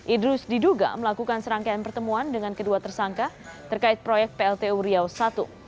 idrus diduga melakukan serangkaian pertemuan dengan kedua tersangka terkait proyek pltu riau i